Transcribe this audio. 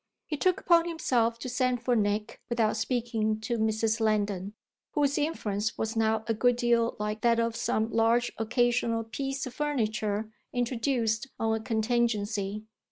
He took upon himself to send for Nick without speaking to Mrs. Lendon, whose influence was now a good deal like that of some large occasional piece of furniture introduced on a contingency.